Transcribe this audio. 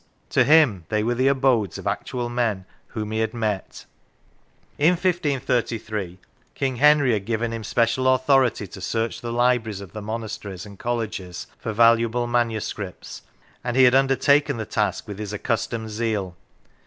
To him they were the abodes of actual men whom he had met. In 1533 King Henry had given him special authority to search the libraries of monasteries and colleges for valuable manuscripts, and he had under taken the task with his accustomed zeal.